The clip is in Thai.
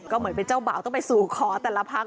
ก็เหมือนเป็นเจ้าบ่าวต้องไปสู่ขอแต่ละพัก